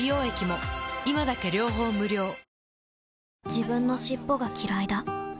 自分の尻尾がきらいだ